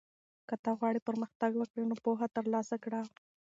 که ته غواړې پرمختګ وکړې نو پوهه ترلاسه کړه.